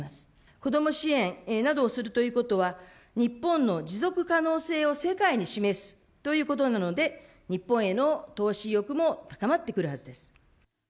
子ども支援などをするということは、日本の持続可能性を世界に示すということなので、日本への投資意欲も高まってくるはずです。